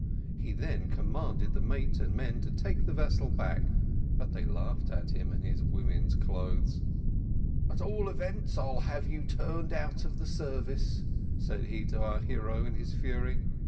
He then commanded the mate and men to take the vessel back, but they laughed at him and his woman's clothes. "At all events, I'll have you turned out of the service," said he to our hero, in his fury.